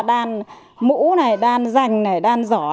đan mũ đan rành đan giỏ